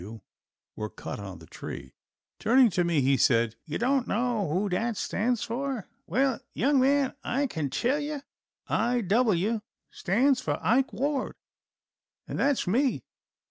W. were cut on the tree. Turning to me he said, "You don't know who that stands for? Well, young man, I kin tell you. I. W. stands for Ike Ward, and that's me.